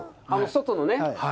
あの外のね。